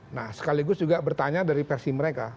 nah sekaligus juga bertanya dari versi mereka